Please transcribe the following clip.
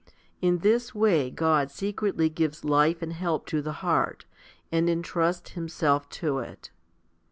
In this way God secretly gives life and help to the heart, and entrusts Himself to it.